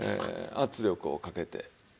圧力をかけて。